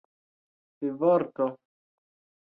fivorto